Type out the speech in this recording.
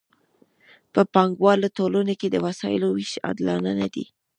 په پانګوالو ټولنو کې د وسایلو ویش عادلانه نه دی.